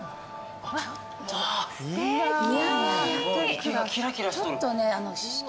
池がキラキラしとる。